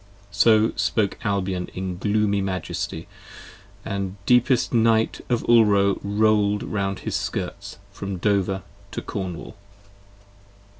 So spoke Albion in gloomy majesty, and deepest night Of Ulro roll'd round his skirts from Dover to Cornwall.